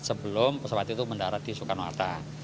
sebelum pesawat itu mendarat di soekarno hatta